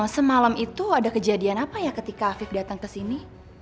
semalam itu ada kejadian apa ya ketika afif datang ke sini